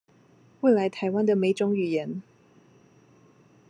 未來臺灣的每種語言